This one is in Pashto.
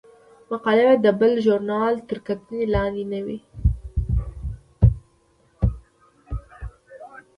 مقالې باید د بل ژورنال تر کتنې لاندې نه وي.